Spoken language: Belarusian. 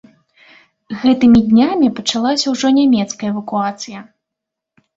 Гэтымі днямі пачалася ўжо нямецкая эвакуацыя.